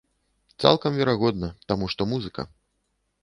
Цалкам верагодна, таму што музыка.